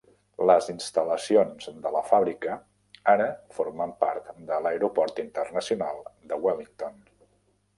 Les instal·lacions de la fàbrica ara formen part de l"Aeroport Internacional de Wellington.